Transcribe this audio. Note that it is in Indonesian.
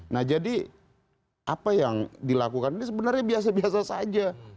nah jadi apa yang dilakukan ini sebenarnya biasa biasa saja